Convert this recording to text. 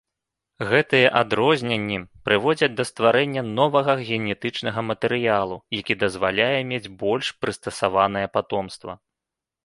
Гэтыя адрозненні прыводзяць да стварэння новага генетычнага матэрыялу, які дазваляе мець больш прыстасаванае патомства.